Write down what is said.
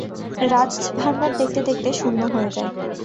রাজতাণ্ডার দেখতে-দেখতে শূন্য হয়ে যায়।